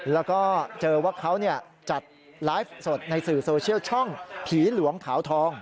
แล้วก็เจอว่าเขาจัดไลฟ์สดในสื่อโซเชียลช่องผีหลวงขาวทอง